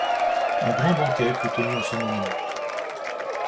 Un grand banquet fut tenu en son honneur.